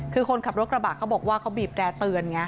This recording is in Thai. คือคนขับรถกระบะเขาบอกว่าเขาบีบแร่เตือนไง